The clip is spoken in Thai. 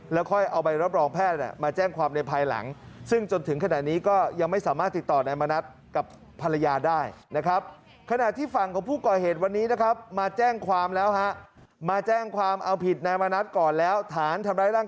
แล้วค่อยเอาไปรับรองแพทย์มาแจ้งความในภายหลัง